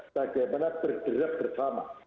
bagaimana bergerak bersama